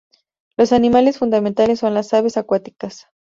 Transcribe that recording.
Los animales fundamentales son las aves acuáticas.